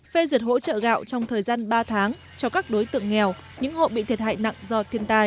phê duyệt hỗ trợ gạo trong thời gian ba tháng cho các đối tượng nghèo những hộ bị thiệt hại nặng do thiên tai